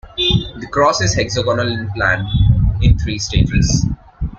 The cross is hexagonal in plan, in three stages.